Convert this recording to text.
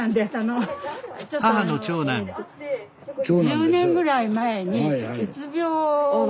１０年ぐらい前にうつ病。